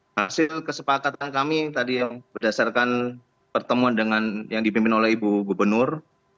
oke hasil kesepakatan kami tadi berdasarkan pertemuan yang dipimpin oleh ibu gubernur